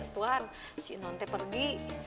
tuhan si non teh pergi